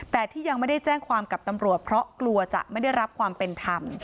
แต่ที่ยังไม่ได้แจ้งความกับตำรวจเพราะกลัวจะไม่ได้รับความเป็นธรรม